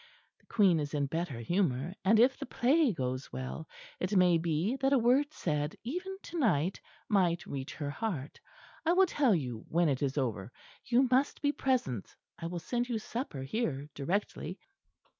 The Queen is in better humour, and if the play goes well, it may be that a word said even to night might reach her heart. I will tell you when it is over. You must be present. I will send you supper here directly."